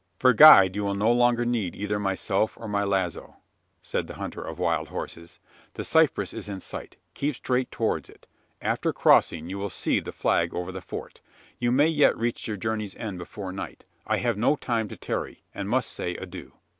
"For guide, you will no longer need either myself, or my lazo," said the hunter of wild horses. "The cypress is in sight: keep straight towards it. After crossing, you will see the flag over the Fort. You may yet reach your journey's end before night. I have no time to tarry; and must say adieu."